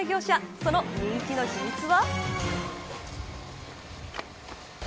その人気の秘密は。